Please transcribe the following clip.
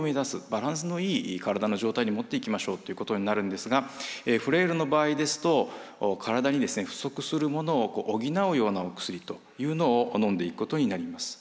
バランスのいい体の状態にもっていきましょうということになるんですがフレイルの場合ですと体に不足するものを補うようなお薬というのをのんでいくことになります。